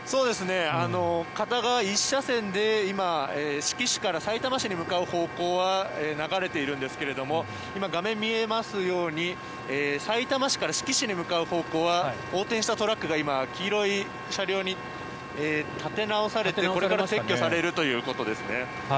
片側１車線で今、志木市からさいたま市に向かう方向は流れているんですが今、画面に見えますようにさいたま市から志木市に向かう方向は横転したトラックが黄色い車両に立て直されてこれから撤去されるということですね。